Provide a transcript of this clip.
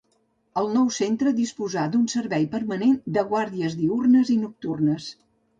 El nou centre disposà d'un servei permanent de guàrdies diürnes i nocturnes.